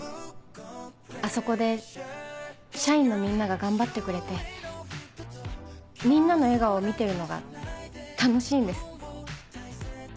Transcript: あそこで社員のみんなが頑張ってくれてみんなの笑顔を見てるのが楽しいんです。